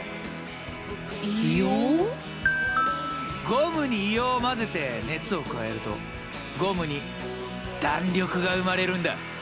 ゴムに硫黄を混ぜて熱を加えるとゴムに弾力が生まれるんだ。